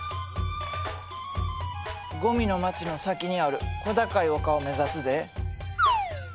ゴミの町の先にある小高い丘を目指すで。